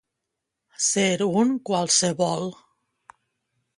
Ser un qualsevol.